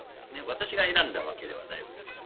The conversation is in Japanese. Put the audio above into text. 私が選んだわけではないわけです。